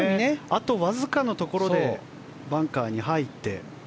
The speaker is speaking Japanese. あとわずかのところでバンカーに入って。